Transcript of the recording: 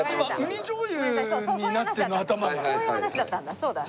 そういう話だったんだそうだ。